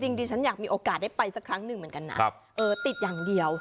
ดิฉันอยากมีโอกาสได้ไปสักครั้งหนึ่งเหมือนกันนะติดอย่างเดียว